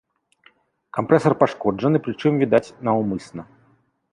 Кампрэсар пашкоджаны, прычым, відаць, наўмысна.